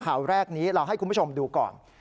ข่าวแรกนี้เราให้คุณผู้ชมดูก่อน